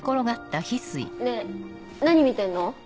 ねぇ何見てんの？